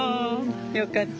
よかった。